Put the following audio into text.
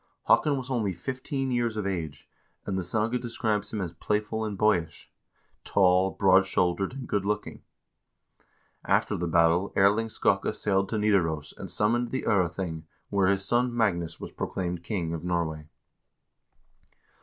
Haakon was only fifteen years of age, and the saga describes him as playful and boyish; tall, broad shouldered, and good looking. After the battle Erling Skakke sailed to Nidaros and summoned the 0rething, where his son Magnus was proclaimed king of Norway.